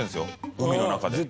海の中で。